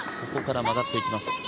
ここから曲がっていきます。